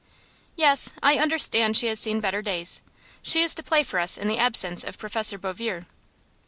"Yes. I understand she has seen better days. She is to play for us in the absence of Prof. Bouvier."